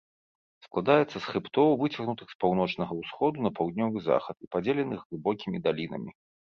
Складаецца з хрыбтоў, выцягнутых з паўночнага ўсходу на паўднёвы захад і падзеленых глыбокімі далінамі.